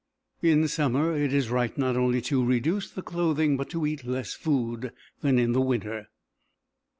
In summer it is right not only to reduce the clothing, but to eat less food than in winter.